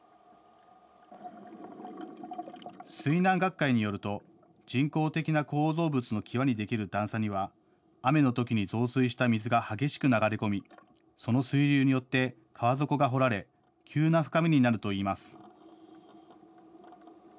水難学会によると人工的な構造物の際にできる段差には雨のときに増水した水が激しく流れ込みその水流によって川底が掘られ急な深みになるといいます。